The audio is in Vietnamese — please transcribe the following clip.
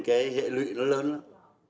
cho nên cái hệ lụy nó lớn lắm